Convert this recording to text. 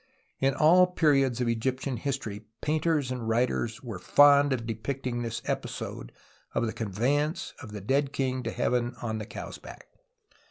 In all periods of Egyptian history painters and writers were fond of depicting this episode of the conveyance of the dead king to heaven on the cow's back.